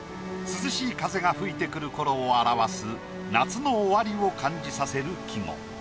涼しい風が吹いてくる頃を表す夏の終わりを感じさせる季語。